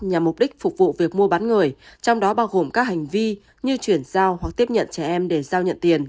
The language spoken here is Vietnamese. nhằm mục đích phục vụ việc mua bán người trong đó bao gồm các hành vi như chuyển giao hoặc tiếp nhận trẻ em để giao nhận tiền